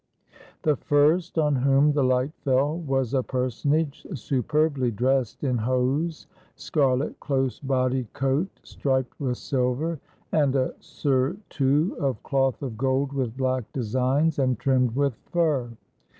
The first on whom the Hght fell was a personage su perbly dressed in hose, scarlet close bodied coat striped with silver, and a surtout of cloth of gold with black designs, and trimmed with fur.